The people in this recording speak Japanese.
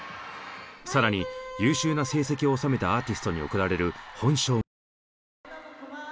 更に優秀な成績を収めたアーティストに贈られる本賞も受賞した。